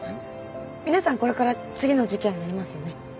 皆さんこれから次の事件がありますよね？